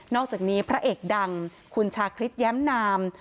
นอกจากนี้พระเอกดังคือนชาคริษแย้มน้ำ